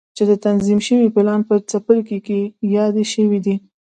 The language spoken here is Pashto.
چې د تنظيم شوي پلان په څپرکي کې يادې شوې دي.